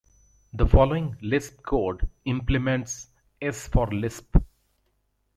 The following Lisp code implements s for Lisp.